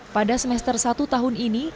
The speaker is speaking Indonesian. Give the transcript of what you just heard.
pada semester satu tahun ini